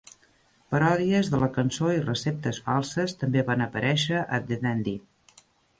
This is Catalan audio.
Paròdies de la cançó i receptes falses també van aparèixer a "The Dandy".